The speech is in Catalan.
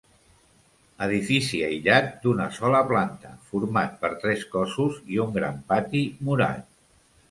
Edifici aïllat, d'una sola planta, format per tres cossos i un gran pati murat.